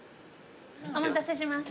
お待たせしました。